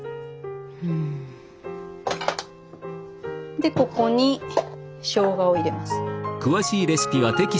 でここにしょうがを入れます。